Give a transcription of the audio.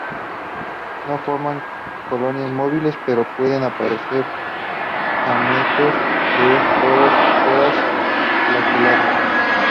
No forman colonias móviles, pero pueden aparecer gametos o zoosporas flagelados.